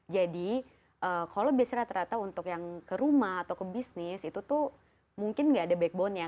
jadi kalau biasanya rata rata untuk yang ke rumah atau ke bisnis itu tuh mungkin nggak ada backbone nya